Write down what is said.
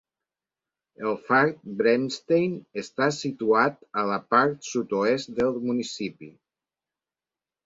El far Bremstein està situat a la part sud-oest del municipi.